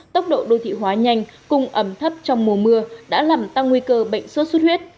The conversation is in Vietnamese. tốc độ đô thị hóa nhanh cung ẩm thấp trong mùa mưa đã làm tăng nguy cơ bệnh sốt xuất huyết